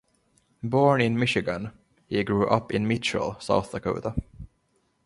Born in Michigan, he grew up in Mitchell, South Dakota.